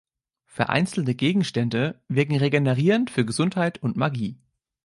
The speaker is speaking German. Vereinzelte Gegenstände wirken regenerierend für Gesundheit und Magie.